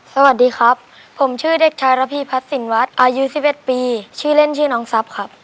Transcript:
สวัสดีครับผมชื่อเด็กชายระพีพัฒน์สินวัดอายุ๑๑ปีชื่อเล่นชื่อน้องทรัพย์ครับ